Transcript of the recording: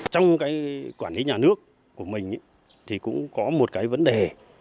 trong cái quản lý nhà nước của mình thì cũng có một cái vấn đề